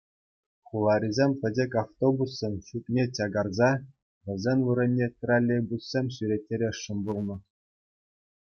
Хуларисем пӗчӗк автобуссен шутне чакараса вӗсен вырӑнне троллейбуссем ҫӳреттересшӗн пулнӑ.